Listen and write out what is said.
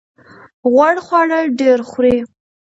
غوړ خواړه ډیر خورئ؟